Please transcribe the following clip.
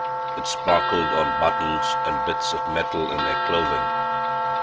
It sparkled on buttons and bits of metal in their clothing.